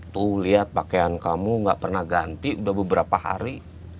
tuh lihat pakaian kamu gak pernah ganti udah beberapa hari